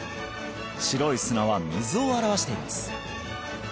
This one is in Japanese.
白い砂は水を表しています